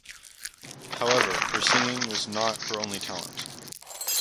However, her singing was not her only talent.